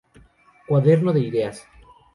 Cuaderno de ideas.